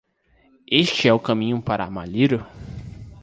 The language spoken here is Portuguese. Este é o caminho para Amarillo?